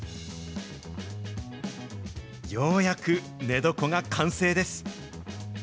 ようやく寝床が完成です。